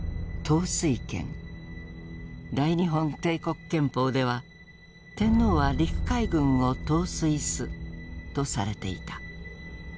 大日本帝国憲法では「天皇は陸海軍を統帥す」とされていた。